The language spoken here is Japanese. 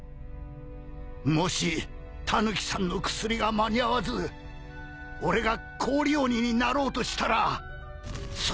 もしタヌキさんの薬が間に合わず俺が氷鬼になろうとしたらその前に。